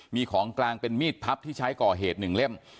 มีของกลางเป็นมีดพับที่ใช้ก่อเหตุ๑เล่ม